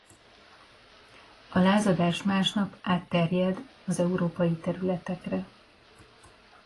A lázadás másnap átterjed az európai területekre.